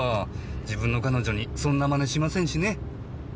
自分の彼女にそんなマネしませんしね。